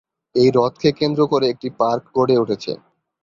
এই হ্রদকে কেন্দ্র করে একটি পার্ক গড়ে উঠেছে।